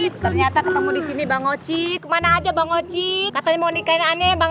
ternyata ketemu di sini bang oci kemana aja bang oci katanya mau nikahnya aneh bang